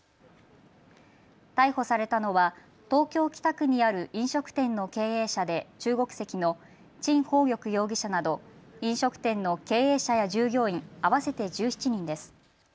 逮捕されたのは東京北区にある飲食店の経営者で中国籍の陳鳳玉容疑者など飲食店の経営者や従業員合わせて１７人です。